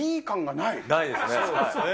ないですね。